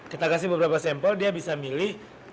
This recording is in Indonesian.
kita kasih beberapa sampel dia bisa milih